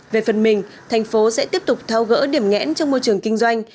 về phần mình tp hcm sẽ tiếp tục thao gỡ điểm nghẽn trong môi trường kinh doanh